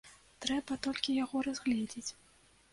Трэба толькі яго разгледзець.